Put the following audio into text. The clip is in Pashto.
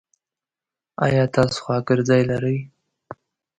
ایا تاسو خواګرځی لری؟